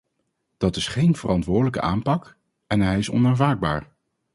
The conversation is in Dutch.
Dat is geen verantwoordelijke aanpak, en hij is onaanvaardbaar.